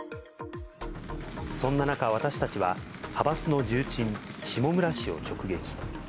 そんな中、私たちは派閥の重鎮、下村氏を直撃。